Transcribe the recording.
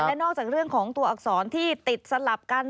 และนอกจากเรื่องของตัวอักษรที่ติดสลับกัน